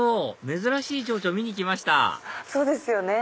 珍しいチョウチョ見に来ましたそうですよね。